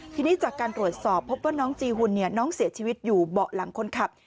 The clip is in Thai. ทีนี้จากการตรวจสอบพบว่าน้องจีหุ่นน้องเสียชีวิตอยู่เบาะหลังคนขับ